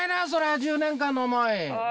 １０年間の思い。